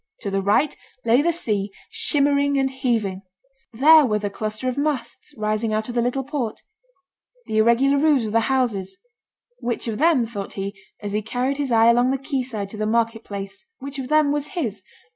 To the right lay the sea, shimmering and heaving; there were the cluster of masts rising out of the little port; the irregular roofs of the houses; which of them, thought he, as he carried his eye along the quay side to the market place, which of them was his?